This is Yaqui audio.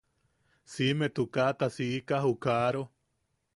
Siʼime tukaata siika ju kaaro.